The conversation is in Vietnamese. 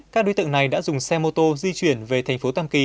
các đối tượng này đã dùng xe mô tô di chuyển về thành phố tam kỳ